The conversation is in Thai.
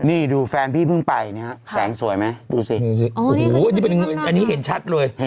นี่ดูแฟนพี่เพิ่งไปแสงสวยไหมดูสิอ๋อนี่เป็นเงินอันนี้เห็นชัดเลย